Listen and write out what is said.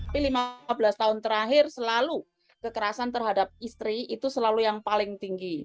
tapi lima belas tahun terakhir selalu kekerasan terhadap istri itu selalu yang paling tinggi